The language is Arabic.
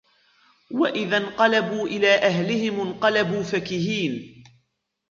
وإذا انقلبوا إلى أهلهم انقلبوا فكهين